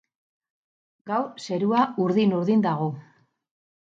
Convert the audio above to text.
Gaur zerua urdin-urdin dago